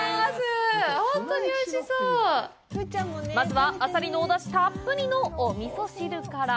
まずは、あさりのお出汁たっぷりのお味噌汁から！